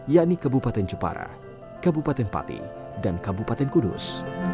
yakni kebupaten jepara kebupaten pati dan kebupaten kudus